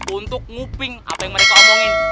untuk ngoping apa yang mereka omongin